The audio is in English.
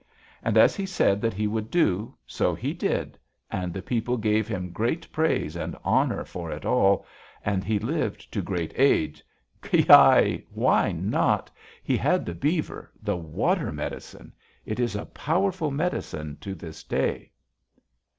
"And as he said that he would do, so he did, and the people gave him great praise and honor for it all, and he lived to great age. Kyi! Why not? He had the beaver the water medicine! It is a powerful medicine to this day!"